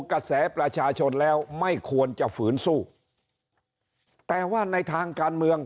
กระแสประชาชนแล้วไม่ควรจะฝืนสู้แต่ว่าในทางการเมือง